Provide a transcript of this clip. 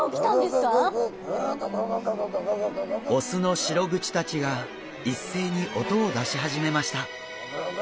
オスのシログチたちが一斉に音を出し始めました。